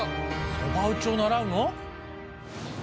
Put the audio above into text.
そば打ちを習うの？